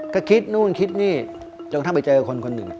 ก็คิดนู่นคิดนี่จนกระทั่งไปเจอคนคนหนึ่ง